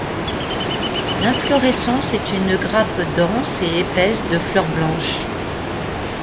L'inflorescence est une grappe dense et épaisse de fleurs blanches.